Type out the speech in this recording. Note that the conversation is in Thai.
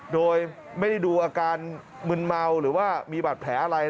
โดยไม่ได้ดูอาการมึนเมาหรือว่ามีบาดแผลอะไร